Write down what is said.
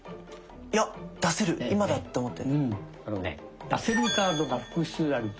いや「出せる今だ！」って思って。